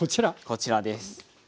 こちらです。